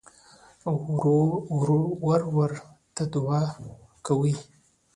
ورور ته دعاوې کوې.